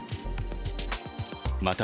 また、